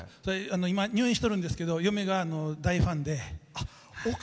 今、入院しとるんですけど嫁が大ファンで。